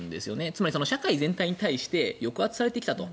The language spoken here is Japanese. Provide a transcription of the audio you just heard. つまり社会全体に対して抑圧されてきたと。